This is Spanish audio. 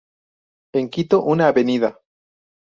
En Quito, una avenida.